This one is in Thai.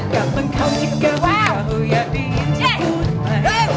กลับบนเขาที่เกินเขาอยากได้ยินเธอพูดใหม่